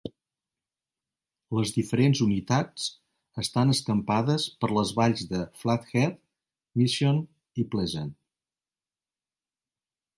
Les diferents unitats estan escampades pel les valls de Flathead, Mission i Pleasant.